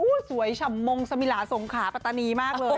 อุ้ยสวย๊ฉำมงสมิหลาสวงขาปะตะนีมากเลย